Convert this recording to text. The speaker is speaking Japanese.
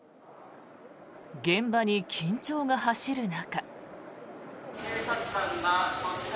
現場に緊張が走る中。